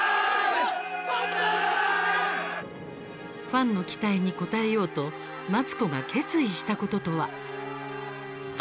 ファンの期待に応えようと待子が決意したこととは？